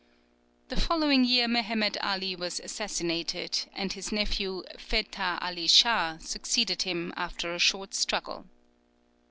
The following year Mehemet Ali was assassinated, and his nephew, Fehtah Ali Shah, succeeded him, after a short struggle.